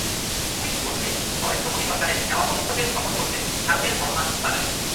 Quint বলছে, নরেন্দ্র মোদি সরকারের নেওয়া পদক্ষেপের প্রভাব পড়ছে ভারতের গণমাধ্যম বাজারে।